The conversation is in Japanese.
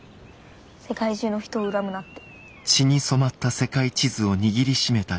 「世界中の人を恨むな」って。